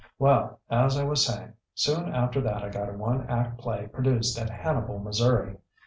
Well, as I was saying, soon after that I got a one act play produced at Hannibal, Missouri.